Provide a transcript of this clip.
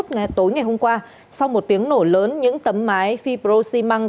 ngay tối ngày hôm qua sau một tiếng nổ lớn những tấm máy fibrosi măng